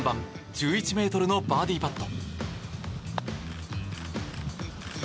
１１ｍのバーディーパット。